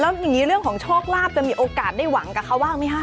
แล้วอย่างนี้เรื่องของโชคลาภจะมีโอกาสได้หวังกับเขาบ้างไหมคะ